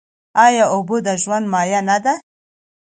آیا اوبه د ژوند مایه نه ده؟